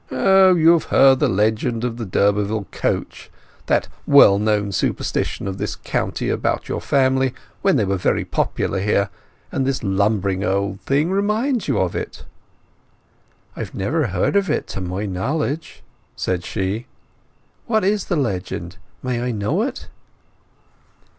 "Oh—you have heard the legend of the d'Urberville Coach—that well known superstition of this county about your family when they were very popular here; and this lumbering old thing reminds you of it." "I have never heard of it to my knowledge," said she. "What is the legend—may I know it?"